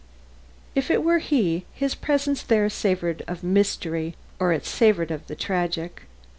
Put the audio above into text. If it were he, his presence there savored of mystery or it savored of the tragic.